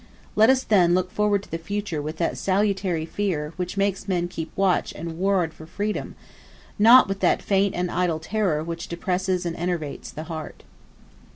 Let us then look forward to the future with that salutary fear which makes men keep watch and ward for freedom, not with that faint and idle terror which depresses and enervates the heart.